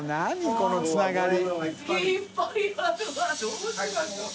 このつながり。